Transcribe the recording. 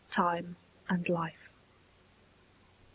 TIME AND LIFE. I.